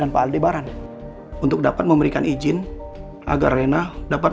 selamat siang pak